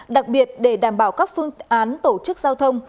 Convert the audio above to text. đặc biệt để đảm bảo các phương án tổ chức giao thông